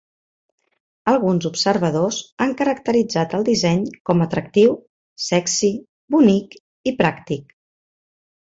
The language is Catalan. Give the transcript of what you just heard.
Alguns observadors han caracteritzat el disseny com atractiu, sexi, bonic i pràctic.